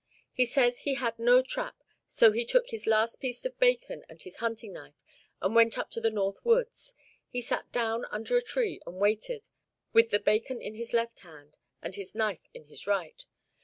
He says he had no trap, so he took his last piece of bacon and his hunting knife and went up into the north woods. He sat down under a tree and waited, with the bacon in his left hand and his knife in his right.